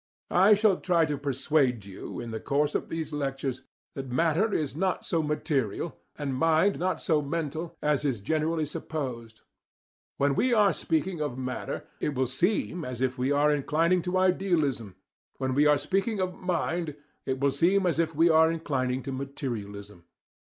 I shall try to persuade you, in the course of these lectures, that matter is not so material and mind not so mental as is generally supposed. When we are speaking of matter, it will seem as if we were inclining to idealism; when we are speaking of mind, it will seem as if we were inclining to materialism.